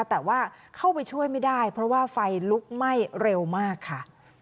แต่ว่าเข้าไปช่วยไม่ได้เพราะว่าไฟลุกไหม้เร็วมากค่ะ